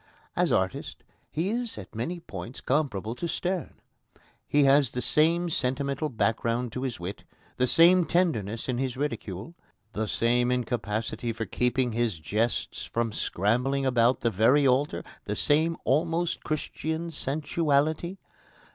As artist, he is at many points comparable to Sterne. He has the same sentimental background to his wit, the same tenderness in his ridicule, the same incapacity for keeping his jests from scrambling about the very altar, the same almost Christian sensuality.